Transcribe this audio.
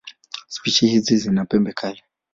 Spishi hizi zina pembe kali.